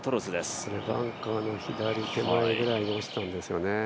これバンカーの左手前ぐらいに落ちたんですよね。